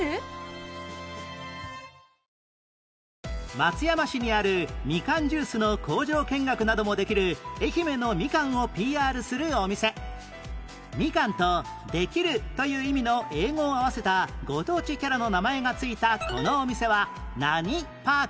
松山市にあるみかんジュースの工場見学などもできる愛媛のみかんを ＰＲ するお店みかんと「できる」という意味の英語を合わせたご当地キャラの名前が付いたこのお店は何パーク？